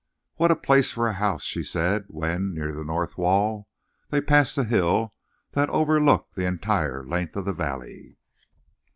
"What a place for a house!" she said, when, near the north wall, they passed a hill that overlooked the entire length of the valley.